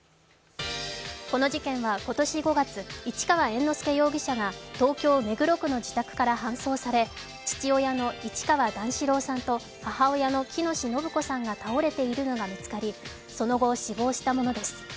この事件は今年５月、市川猿之助容疑者が東京・目黒区の自宅から搬送され父親の市川段四郎さんと母親の喜熨斗延子さんが倒れているのが見つかりその後、死亡したものです。